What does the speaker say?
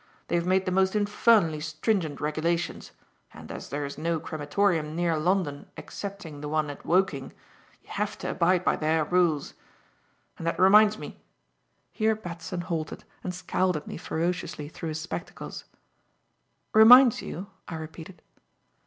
They have made the most infernally stringent regulations, and, as there is no crematorium near London excepting the one at Woking, you have to abide by their rules. And that reminds me " here Batson halted and scowled at me ferociously through his spectacles. "Reminds you?" I repeated.